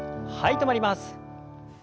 止まります。